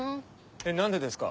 えっ何でですか？